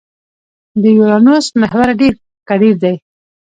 د یورانوس محور ډېر کډېر دی.